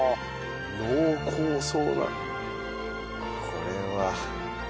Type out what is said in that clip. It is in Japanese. これは。